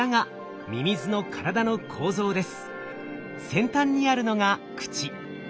先端にあるのが口。